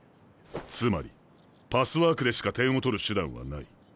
つまりパスワークでしか点を取る手段はない。